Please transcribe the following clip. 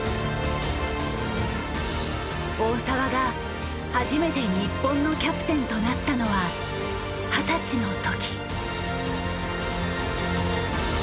大澤が初めて日本のキャプテンとなったのは二十歳の時。